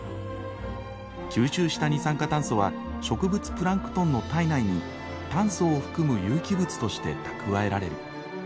吸収した二酸化炭素は植物プランクトンの体内に炭素を含む有機物として蓄えられる。